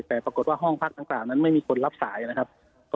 แต่ปรากฏว่าห้องพักดังกล่าวนั้นไม่มีคนรับสายนะครับ